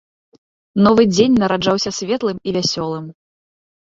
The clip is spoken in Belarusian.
Новы дзень нараджаўся светлым і вясёлым.